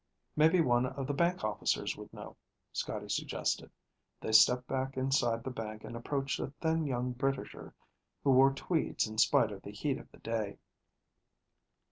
"Maybe one of the bank officers would know," Scotty suggested. They stepped back inside the bank and approached a thin young Britisher who wore tweeds in spite of the heat of the day.